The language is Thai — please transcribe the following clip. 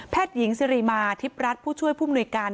หญิงสิริมาทิพย์รัฐผู้ช่วยผู้มนุยการ